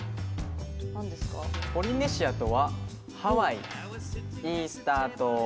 ポリネシアとはハワイ、イースター島